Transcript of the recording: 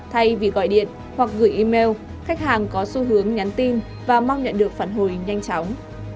thay vì gọi điện hoặc gửi email khách hàng có xu hướng nhắn tin và mong nhận được phản hồi nhanh chóng